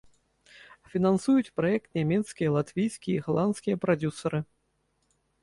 Фінансуюць праект нямецкія, латвійскія і галандскія прадзюсары.